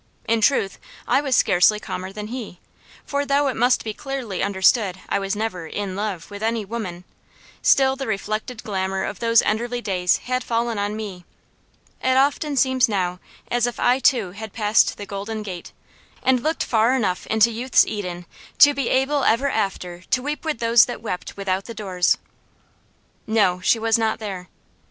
In truth, I was scarcely calmer than he. For though it must be clearly understood I never was "in love" with any woman, still the reflected glamour of those Enderley days had fallen on me. It often seems now as if I too had passed the golden gate, and looked far enough into youth's Eden to be able ever after to weep with those that wept without the doors. No she was not there.